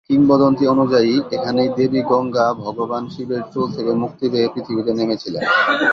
কিংবদন্তি অনুযায়ী, এখানেই দেবী গঙ্গা ভগবান শিবের চুল থেকে মুক্তি পেয়ে পৃথিবীতে নেমেছিলেন।